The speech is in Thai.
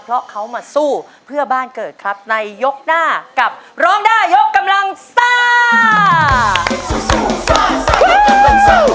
เพราะเขามาสู้เพื่อบ้านเกิดครับในยกหน้ากับร้องได้ยกกำลังซ่า